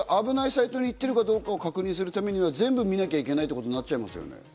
サイトに行ってるかどうか、確認するためには全部見なきゃいけないってことになりますよね。